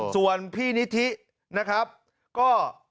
ส่วนพี่นิธินะครับก็